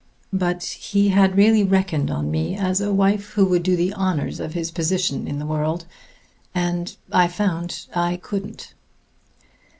But he had really reckoned on me as a wife who would do the honors of his position in the world; and I found I couldn't."